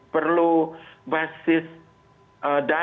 perlu basis dalil